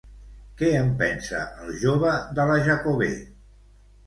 Què en pensa el jove de la Jacobè?